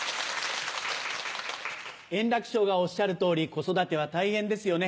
円楽師匠がおっしゃる通り子育ては大変ですよね。